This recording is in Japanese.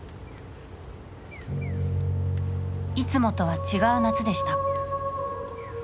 いつもとは違う夏でした。